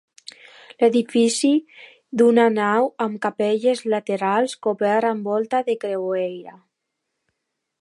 Edifici d'una nau amb capelles laterals cobert amb volta de creueria.